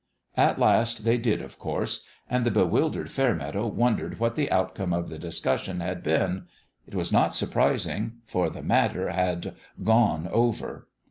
At last, they did, of course ; and the bewildered Fairmeadow won dered what the outcome of the discussion had been. It was not surprising : for the matter had " gone over."